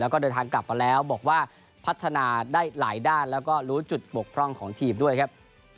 แล้วก็เดินทางกลับมาแล้วบอกว่าพัฒนาได้หลายด้านแล้วก็รู้จุดบกพร่องของทีมด้วยครับ